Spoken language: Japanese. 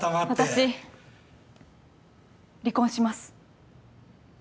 私離婚します。